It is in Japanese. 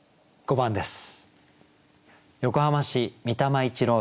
５番です。